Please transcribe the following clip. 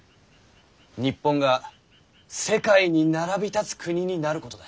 日本が世界に並び立つ国になることだ。